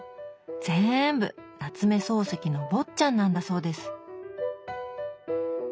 ぜんぶ夏目漱石の「坊っちゃん」なんだそうです。